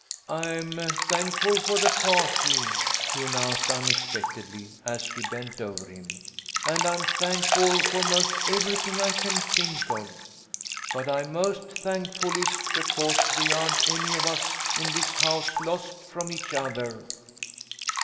" I'm thankful for the party," he announced unex pectedly, as she bent over him, "and I'm thankful for most everything I can think of, but I'm most thankfullest because we aren't any of us in this house lost from each other."